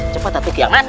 cepat atuh kiaman